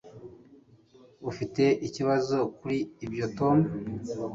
Ufite ikibazo kuri ibyo, Tom?